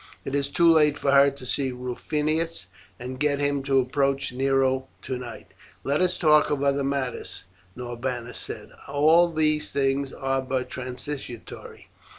It is too late for her to see Rufinus and get him to approach Nero tonight." "Let us talk of other matters," Norbanus said, "all these things are but transitory."